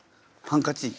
ハンカチ。